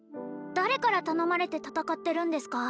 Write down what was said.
誰から頼まれて戦ってるんですか？